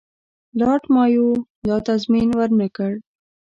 لارډ مایو دا تضمین ورنه کړ.